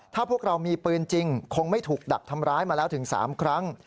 ถ้าพวกเรามีปืนจริงคงไม่ถูกดักทำร้ายมาแล้วถึง๓ครั้ง